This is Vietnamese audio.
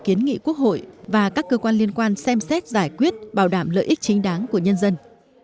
kiến nghị quốc hội và các cơ quan liên quan xem xét giải quyết bảo đảm lợi ích chính đáng của nhân dân